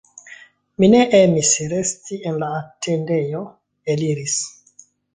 Mi ne emis resti en la atendejo, eliris.